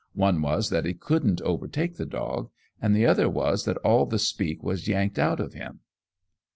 One was that he couldn't overtake the dog and the other was that all the speak was yanked out of him.